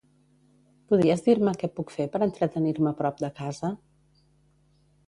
Podries dir-me què puc fer per entretenir-me prop de casa?